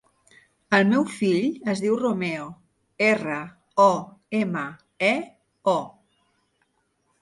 El meu fill es diu Romeo: erra, o, ema, e, o.